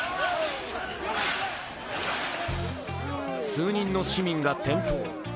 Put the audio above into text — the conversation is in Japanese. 数人の市民が転倒。